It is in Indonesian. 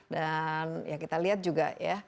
dan ya kita lihat juga ya